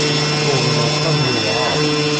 Tuḍen aṭṭan yewɛer.